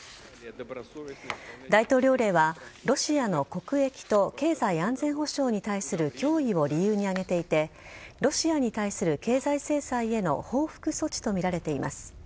大統領令はロシアの国益と経済安全保障に対する脅威を理由に挙げていてロシアに対する経済制裁への報復措置とみられています。